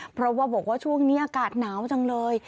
เพราะว่าบอกว่าช่วงนี้อากาศหนาวจังเลย